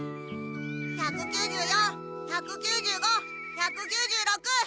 １９４１９５１９６。